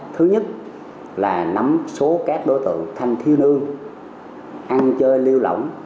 thứ nhất là nắm số các đối tượng thanh thiêu nương ăn chơi liêu lỏng